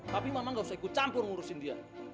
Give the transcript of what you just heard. tapi memang gak usah ikut campur ngurusin dia